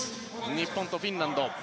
日本とフィンランド。